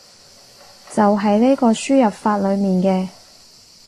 就係呢個輸入法裏面嘅